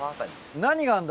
何があるんだ？